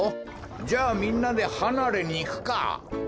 じゃあみんなではなれにいくか。